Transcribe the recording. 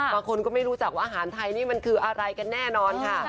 ก็ไม่รู้จักว่าอาหารไทยนี่มันคืออะไรกันแน่นอนค่ะ